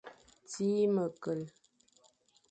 Tsir mekel.